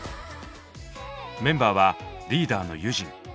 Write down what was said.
メンバーはリーダーのユジン。